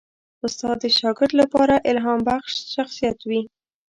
استاد د شاګرد لپاره الهامبخش شخصیت وي.